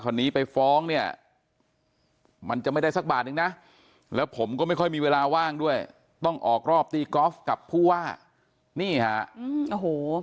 คนนี้ไปฟ้องเนี่ยมันจะไม่ได้สักบาทนึงนะแล้วผมก็ไม่ค่อยมีเวลาว่างด้วยต้องออกรอบตีกอล์ฟกับผู้ว่านี่ฮะอืมโอ้โห